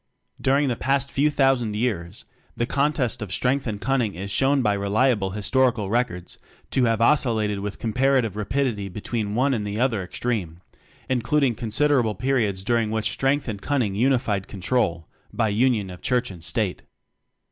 During the past few thousand years the contest of Strength and Cun ning is shown by reliable historical records to have oscillated with com parative rapidity between one and the other extreme including consid erable periods during which Strength and Cunning unified control by union of Church and State.